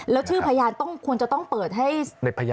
แล้วจีนคือพยานควรจะต้องเปิดให้